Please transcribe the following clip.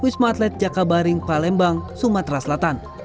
wismatlet jakabaring palembang sumatera selatan